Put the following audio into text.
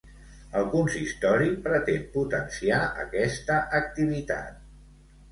El consistori pretén potenciar aquesta activitat.